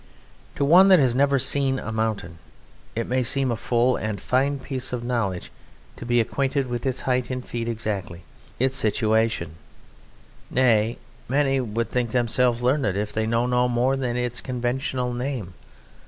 To one that has never seen a mountain it may seem a full and a fine piece of knowledge to be acquainted with its height in feet exactly, its situation; nay, many would think themselves learned if they know no more than its conventional name.